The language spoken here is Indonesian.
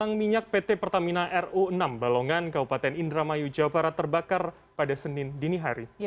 barang minyak pt pertamina ru enam balongan kabupaten indramayu jawa barat terbakar pada senin dini hari